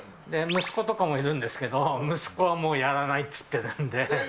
息子とかもいるんですけど、息子はもう、やらないと言ってるんで。